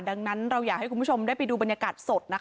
ดังนั้นเราอยากให้คุณผู้ชมได้ไปดูบรรยากาศสด